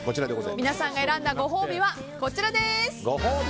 皆さんが選んだご褒美はこちら。